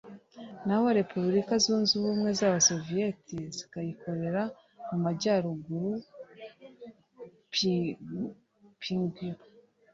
naho Repubulika Zunze ubumwe z’abasoviyete zikayikorera mu majyaruguru I Pyongyang